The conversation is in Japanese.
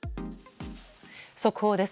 速報です。